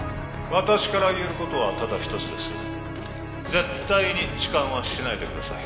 私から言えることはただ一つです絶対に痴漢はしないでください